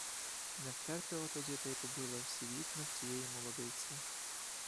Не втерпіла тоді та й побила всі вікна в тієї молодиці.